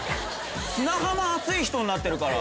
砂浜熱い人になってるから。